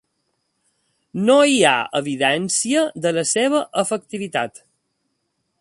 No hi ha evidència de la seva efectivitat.